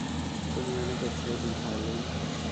তুমি অনেক এক্সাইটিং, হারলিন!